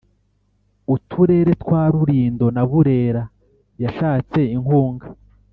Uturere twa Rulindo na Burera yashatse inkunga